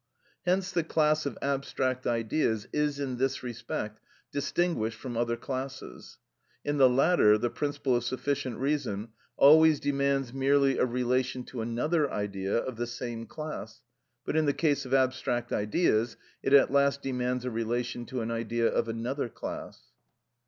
Hence the class of abstract ideas is in this respect distinguished from other classes; in the latter the principle of sufficient reason always demands merely a relation to another idea of the same class, but in the case of abstract ideas, it at last demands a relation to an idea of another class.